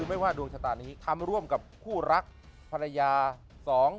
ไม่ว่าดวงชะตานี้ทำร่วมกับคู่รักภรรยาสอง